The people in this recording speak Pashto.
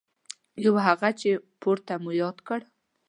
یو هغه چې پورته مو یاد کړ.